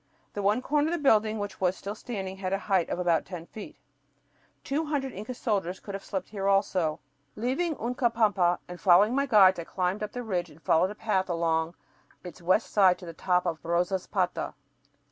The one corner of the building which was still standing had a height of about ten feet. Two hundred Inca soldiers could have slept here also. Leaving Uncapampa and following my guides, I climbed up the ridge and followed a path along its west side to the top of Rosaspata.